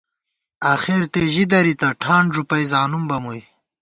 آخر تےژِی دَرِتہ ، ٹھان ݫُپَئ زانُم بہ مُوئی